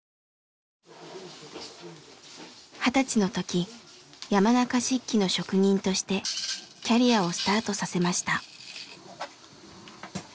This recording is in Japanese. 二十歳の時山中漆器の職人としてキャリアをスタートさせました。